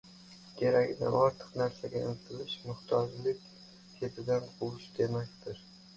Keragidan ortiq narsaga intilish — muhtojlik ketidan quvish demakdir.